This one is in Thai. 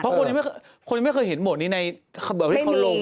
เขาคนนี้ไม่เคยเห็นหมดนี้ในไทย